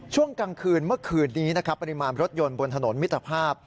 ช่วงกลางคืนเมื่อคืนนี้นะครับปริมาณรถยนต์บนถนนมิตรภาพ